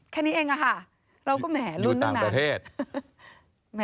แค่นี้เองอะค่ะเราก็แหมลุ้นตั้งนาน